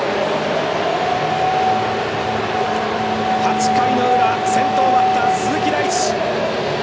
８回の裏、先頭バッター鈴木大地。